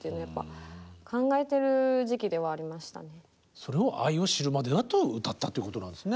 それを「愛を知るまでは」と歌ったということなんですね。